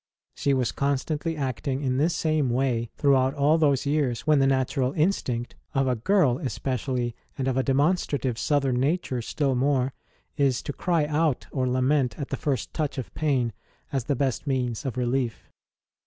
She was constantly acting in this same way throughout all those years when the natural instinct of a girl especially, and of a demonstrative Southern nature still more is to cry out or lament at the first touch of pain as the best means of relief.